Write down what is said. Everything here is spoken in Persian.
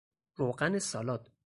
روغن سالاد